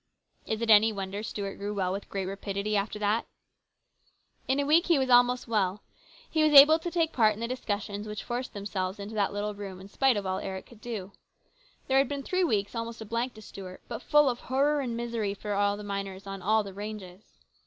Is it any wonder Stuart grew well with great rapidity after that ? In a week he was almost well. He was able to take part in the discussions which forced themselves into that little room in spite of all Eric could do. There had been three weeks almost a blank to Stuart, but full of horror and misery for the miners on all the ranges.